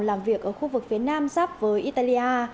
làm việc ở khu vực phía nam giáp với italia